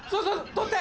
取って！